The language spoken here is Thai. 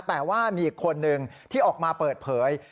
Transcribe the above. แต่ว่ามีอีกคนนึงที่ออกมาเปิดเผย